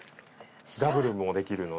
ダブルもできるので。